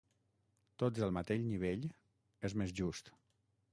Tots al mateix nivell, és més just.